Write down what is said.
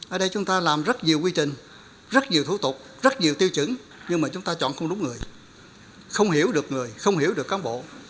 ở đây chúng ta làm rất nhiều quy trình rất nhiều thủ tục rất nhiều tiêu chứng nhưng mà chúng ta chọn không đúng người không hiểu được người không hiểu được cán bộ